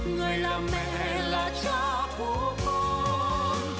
người là mẹ là cha của con